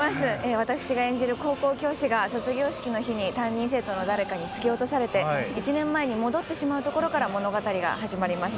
私が演じる高校教師が、卒業式の日に担任生徒の誰かに突き落とされて、１年前に戻ってしまうところから、物語が始まります。